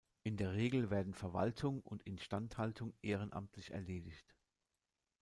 In der Regel werden Verwaltung und Instandhaltung ehrenamtlich erledigt.